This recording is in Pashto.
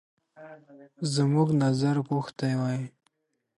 زموږ نظر غوښتی وای.